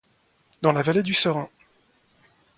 Dans la vallée du Serein.